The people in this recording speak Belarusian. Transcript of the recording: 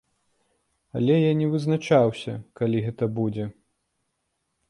Але я не вызначаўся, калі гэта будзе.